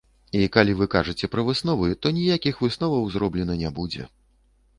І калі вы кажаце пра высновы, то ніякіх высноваў зроблена не будзе.